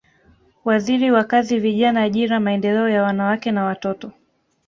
Waziri wa Kazi Vijana Ajira Maendeleo ya Wanawake na Watoto